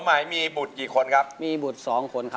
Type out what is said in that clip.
อายุ๒๔ปีวันนี้บุ๋มนะคะ